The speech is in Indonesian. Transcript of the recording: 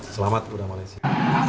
selamat pemuda malaysia